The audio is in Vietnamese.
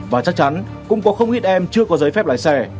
và chắc chắn cũng có không ít em chưa có giấy phép lái xe